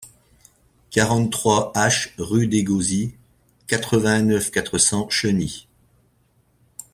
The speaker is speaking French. quarante-trois H rue des Gauzys, quatre-vingt-neuf, quatre cents, Cheny